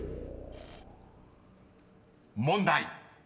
［問題］